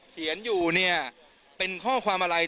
เขียนอยู่เนี่ยเป็นข้อความอะไร